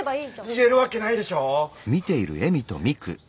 言えるわけないでしょう！